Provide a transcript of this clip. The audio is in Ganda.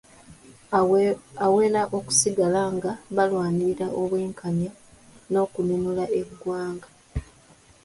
Awera okusigala nga balwanirira obwenkanya n’okununula eggwanga.